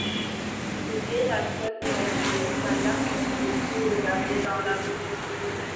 C’était la seule ouverture par laquelle il pût regarder dans la vie.